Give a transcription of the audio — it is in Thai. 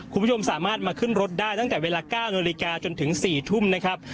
คุณผู้ชมสามารถมาขึ้นรถได้ตั้งแต่เวลา๙นาฬิกาจนถึง๔ทุ่มนะครับ